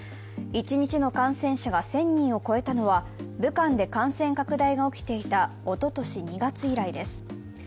一日の感染者が１０００人を超えたのは、武漢で感染拡大が起きていたおととし２月以来です。